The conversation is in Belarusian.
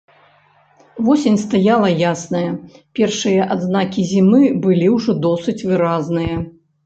Восень стаяла ясная, першыя адзнакі зімы былі ўжо досыць выразныя.